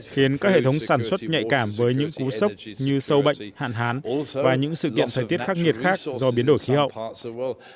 khiến các hệ thống sản xuất nhạy cảm với những cú sốc như sâu bệnh hạn hán và những sự kiện thời tiết khắc nghiệt khác do biến đổi khí hậu